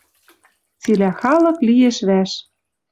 Цилӓ халык лиэш вӓш.